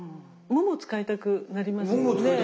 もも使いたくなります。